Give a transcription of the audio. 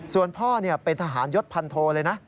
ส่วนพ่อเป็นทหารยศพันโทเลยนะ